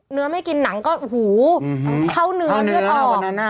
เนื้อไม่กินหนังก็โอ้โหเข้าเนื้อเนื้อออก